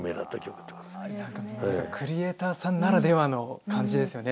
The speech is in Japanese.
本当クリエーターさんならではの感じですよね